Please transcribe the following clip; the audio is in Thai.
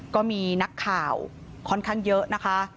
ก็มีนักข่าวค่อนข้างเยอะนะคะ